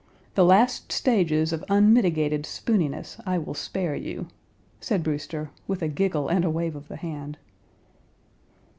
The last stages of unmitigated spooniness, I will spare you," said Brewster, with a giggle and a wave of the hand.